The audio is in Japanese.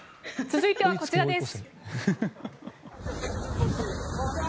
続いては、こちらです。